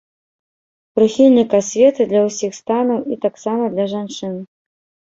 Прыхільнік асветы для ўсіх станаў і таксама для жанчын.